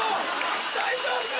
大丈夫か？